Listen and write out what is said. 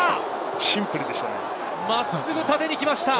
シンプルでしたね。